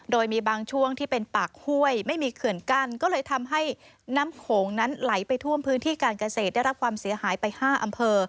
โดยมีบางช่วงที่เป็นปากห้วยไม่มีเขื่อนกั้นก็เลยทำให้น้ำโขงนั้นไหลไปท่วมพื้นที่การเกษตรได้รับความเสียหายไป๕อำเภอ